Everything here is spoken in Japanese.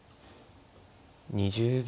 ２０秒。